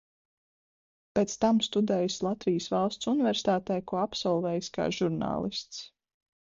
Pēc tam studējis Latvijas Valsts Universitātē, ko absolvējis kā žurnālists.